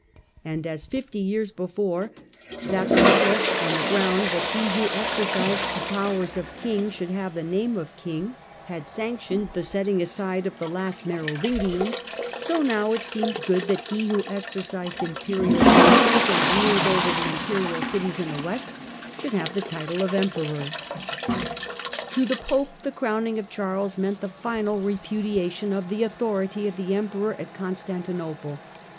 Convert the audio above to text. And as, fifty years before, Zacharias, on the ground that he who exercised the powers of king should have the name of king, had sane CAROLUS IMPERATOR 177 tioned the setting aside of the last Merovingian, so now it seemed good that he who exercised Imperial functions and ruled over the Imperial cities in the west should have the title of Emperor. To the Pope the crowning of Charles meant the final repudiation of the authority of the Emperor at Constantinople.